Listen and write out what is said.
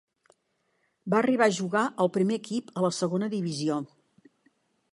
Va arribar a jugar al primer equip a la Segona Divisió.